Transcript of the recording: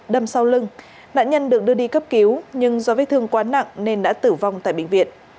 đâm sau lưng nạn nhân được đưa đi cấp cứu nhưng do vết thương quá nặng nên đã tử vong tại bệnh viện